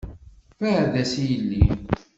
Beɛɛed-as i yelli!